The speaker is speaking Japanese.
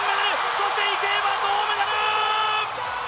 そして池江は銅メダル！